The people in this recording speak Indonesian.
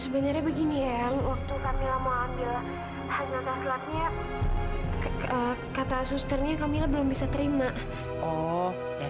sebenarnya begini ya waktu kamu mau ambil hasil tes lapnya kata susternya kamil belum bisa terima oh ya